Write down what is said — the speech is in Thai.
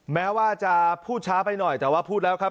แม้ว่าจะพูดช้าไปหน่อยแต่ว่าพูดแล้วครับ